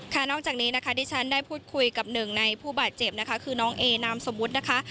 นอกจากนี้นะคะที่ฉันได้พูดคุยกับหนึ่งในผู้บาดเจ็บนะคะคือน้องเอนามสมมุตินะคะ